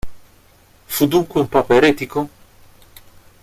Fu dunque un papa eretico?